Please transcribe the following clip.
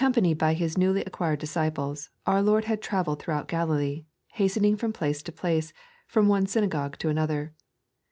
ACCOMFAKIED b; Hie aewly acquired disciples, our Lord had travelled tliroughout OaJilee, haetemng from place to place, from one eynagogne to another.